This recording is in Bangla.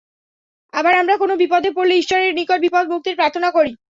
আবার আমরা কোনো বিপদে পড়লে ঈশ্বরের নিকট বিপদ মুক্তির প্রার্থনা করি।